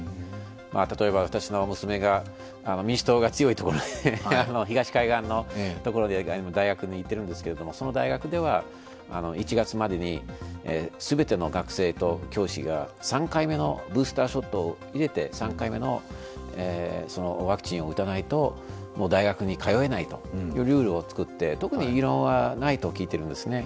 例えば私の娘が民主党が強いところで東海岸の大学に行っているんですけれども、その大学では１月までに全ての学生と教師が３回目のブースターショットを入れて、３回目のワクチンを打たないと大学に通えないというルールを作って特に異論はないと聞いているんですね。